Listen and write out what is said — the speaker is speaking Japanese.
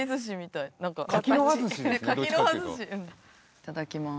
いただきます。